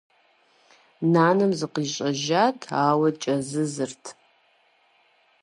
Нанэм зыкъищӀэжат, ауэ кӀэзызырт.